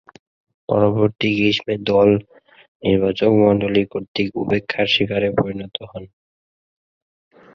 পরবর্তীতে গ্রীষ্মে দল নির্বাচকমণ্ডলী কর্তৃক উপেক্ষার শিকারে পরিণত হন।